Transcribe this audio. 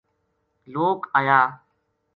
لوک اَیا